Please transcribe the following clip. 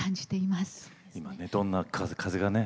今どんな風がね